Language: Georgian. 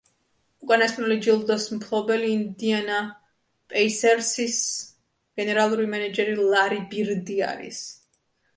უკანასკნელი ჯილდოს მფლობელი ინდიანა პეისერსის გენერალური მენეჯერი ლარი ბირდი არის.